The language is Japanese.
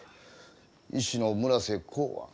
医師の村瀬幸庵。